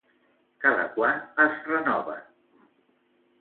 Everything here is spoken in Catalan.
Cada quan es renoven?